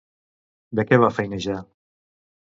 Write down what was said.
De què va feinejar?